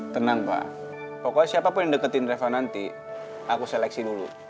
tenang pak pokoknya siapapun yang deketin reva nanti aku seleksi dulu